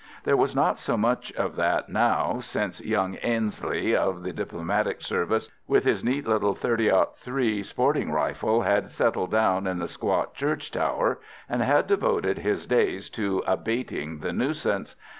There was not so much of that now since young Ainslie, of the Diplomatic service, with his neat little .303 sporting rifle, had settled down in the squat church tower, and had devoted his days to abating the nuisance.